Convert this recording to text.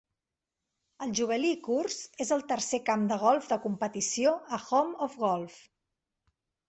El Jubilee Course és el tercer camp de golf de competició a Home of Golf.